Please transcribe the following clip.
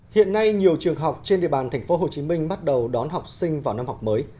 hiện nay nhiều trường học trên địa bàn tp hcm bắt đầu đón học sinh vào năm học mới